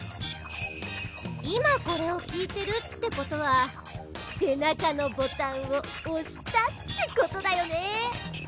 いまこれをきいてるってことはせなかのボタンをおしたってことだよね。